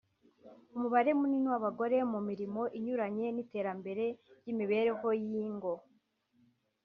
umubare munini w’abagore mu mirimo inyuranye n’iterambere ry’imibereho y’ingo